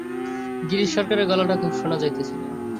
গিরিশ সরকারের গলাটা খুব শোনা যাইতেছিল।